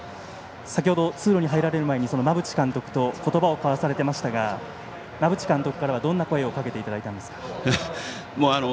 先程、通路に入られる前にその馬淵監督と言葉を交わされてましたが馬淵監督からはどんな声をかけていただいたんですか？